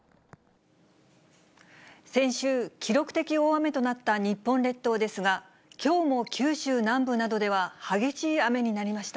先週、記録的大雨となった日本列島ですが、きょうも九州南部などでは激しい雨になりました。